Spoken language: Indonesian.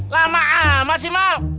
lama amat si mal